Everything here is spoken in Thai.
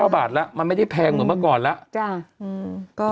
บาทแล้วมันไม่ได้แพงเหมือนเมื่อก่อนแล้ว